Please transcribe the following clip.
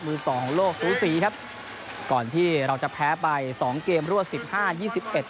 มือสองของโลกสูสีครับก่อนที่เราจะแพ้ไปสองเกมรวดสิบห้ายี่สิบเอ็ด